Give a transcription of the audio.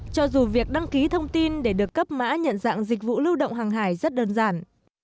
cho dù việc đăng ký thông tin để được cấp mã nhận dạng dịch vụ lưu động hàng hải rất đơn giản